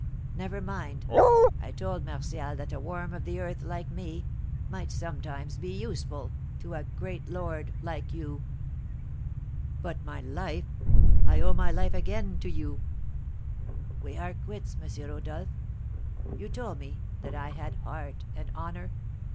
Never mind I told Martial that a worm of the earth like me might sometimes be useful to a great lord like you." "But my life I owe my life again to you!" "We are quits, M. Rodolph. You told me that I had heart and honour.